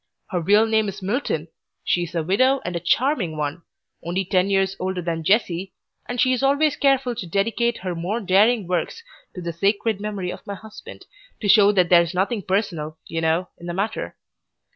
Her real name is Milton. She is a widow and a charming one, only ten years older than Jessie, and she is always careful to dedicate her more daring works to the 'sacred memory of my husband' to show that there's nothing personal, you know, in the matter.